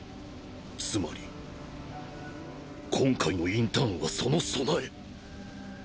つまり今回のインターンはその備え！？